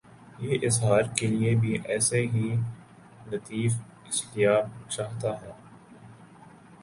یہ اظہار کے لیے بھی ایسے ہی لطیف اسالیب چاہتا ہے۔